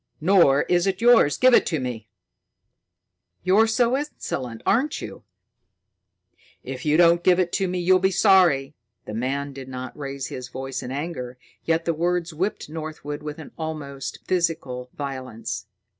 "Nor is it yours. Give it to me!" "You're insolent, aren't you?" "If you don't give it to me, you will be sorry." The man did not raise his voice in anger, yet the words whipped Northwood with almost physical violence.